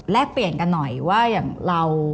เปลี่ยนกันหน่อยว่าอย่างเรา